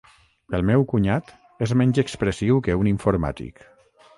El meu cunyat és menys expressiu que un informàtic.